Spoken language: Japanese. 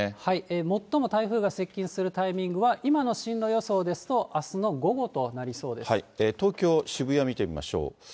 最も台風が接近するタイミングは今の進路予想ですと、あすの東京・渋谷、見てみましょう。